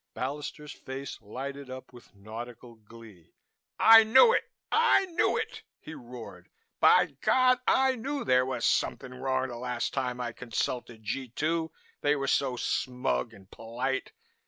Ballister's face lighted up with nautical glee. "I knew it! I knew it!" he roared. "By God! I knew there was something wrong the last time I consulted G 2, they were so smug and polite.